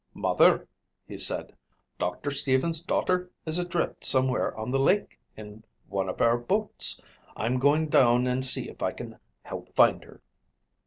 "Mother," he said, "Doctor Stevens' daughter is adrift somewhere on the lake in one of our boats. I'm going down and see if I can help find her."